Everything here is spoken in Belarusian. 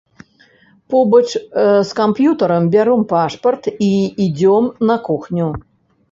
Побач з камп'ютарам бяром пашпарт і ідзём на кухню.